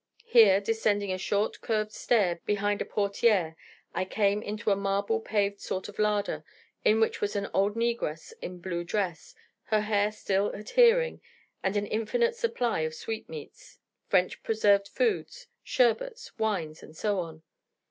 Here, descending a short curved stair behind a portière, I came into a marble paved sort of larder, in which was an old negress in blue dress, her hair still adhering, and an infinite supply of sweetmeats, French preserved foods, sherbets, wines, and so on.